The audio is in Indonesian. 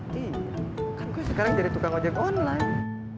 kan gue sekarang jadi tukang ojek online